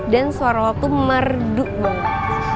dan suara lo tuh merdu banget